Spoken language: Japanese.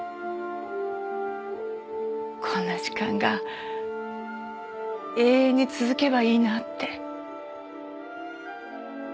こんな時間が永遠に続けばいいなって。